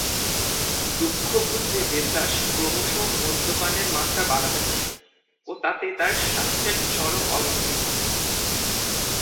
দুঃখ ভুলতে দেবদাস ক্রমশ মদ্যপানের মাত্রা বাড়াতে থাকে ও তাতে তার স্বাস্থ্যের চরম অবনতি ঘটে।